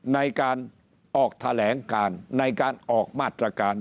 ในการออกแถลงการในการออกมาตรการ